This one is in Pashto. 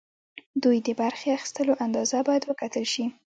دوی د برخې اخیستلو اندازه باید وکتل شي.